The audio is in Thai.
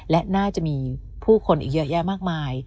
และน่าจะมีผู้คนอีกเยอะแยะมากมาย